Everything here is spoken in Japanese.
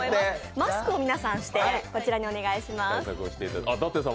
マスクを皆さんして、こちらにお願いします。